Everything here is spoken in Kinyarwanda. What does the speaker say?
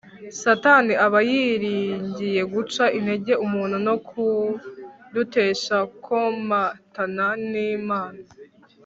Satani aba yiringiye guca intege umuntu no kudutesha komatana nImana